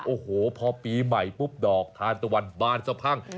โอ้โหพอปีใหม่ปุ๊บดอกทานตะวันบานสะพัง